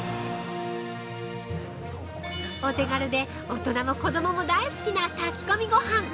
お手軽で大人も子供も大好きな炊き込みごはん。